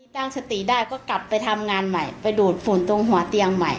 ตั้งสติได้ก็กลับไปทำงานใหม่ไปดูดฝุ่นตรงหัวเตียงใหม่